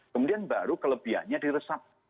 kemudian baru kelebihannya diresap